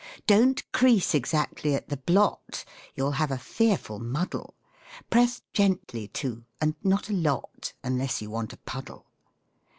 Don't crease exactly at the blot You'll have a fearful muddle; Press gently, too, and not a lot, Unless you want a puddle.